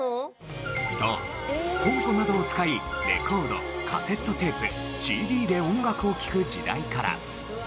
そうコンポなどを使いレコードカセットテープＣＤで音楽を聴く時代から。